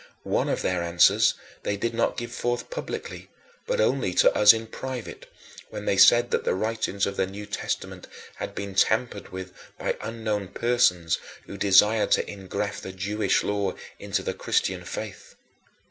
One of their answers they did not give forth publicly, but only to us in private when they said that the writings of the New Testament had been tampered with by unknown persons who desired to ingraft the Jewish law into the Christian faith.